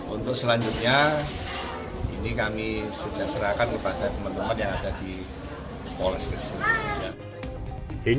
untuk selanjutnya ini kami sudah serahkan kepada teman teman yang ada di polres gresik